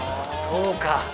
そうか。